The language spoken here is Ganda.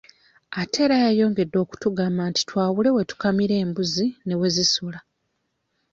Ate era yayongedde okutugamba nti twawule we bakamira embuzi ne we zisula.